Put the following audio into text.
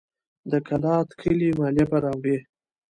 د کلات کلي مالیه به راوړي.